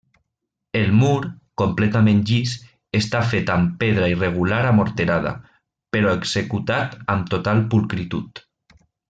El mur, completament llis, està fet amb pedra irregular amorterada, però executat amb total pulcritud.